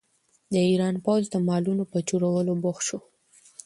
د ایران پوځ د مالونو په چورولو بوخت شو.